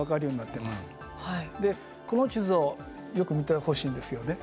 でこの地図をよく見てほしいんですよね。